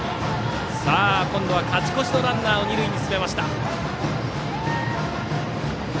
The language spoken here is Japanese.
さあ、今度は勝ち越しのランナーを二塁に進めました。